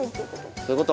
そういうこと。